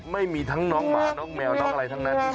ไม่มีทั้งน้องหมาน้องแมวน้องอะไรทั้งนั้น